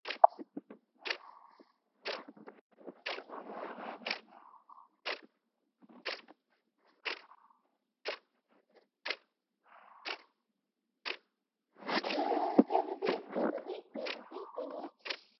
Hannity has nicknamed Mark Levin "The Great One".